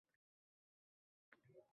Men senga mubtalo bo'ldim.